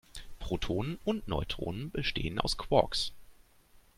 Protonen und Neutronen bestehen aus Quarks.